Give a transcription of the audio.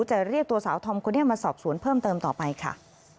จะเรียกตัวสาวธอมคนนี้มาสอบสวนเพิ่มเติมต่อไปค่ะ